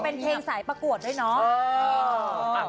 เป็นเพลงสายประกวดด้วยเนาะ